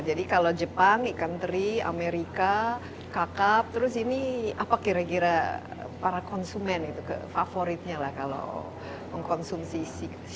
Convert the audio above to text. jadi kalau jepang ikan teri amerika kakap terus ini apa kira kira para konsumen itu favoritnya lah kalau mengkonsumsi seafood atau ikan